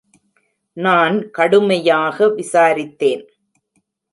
நான் கடுமையாக விசாரித்தேன்.